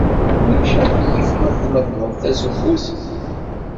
Ulac aɣilif ma tmedled tazewwut?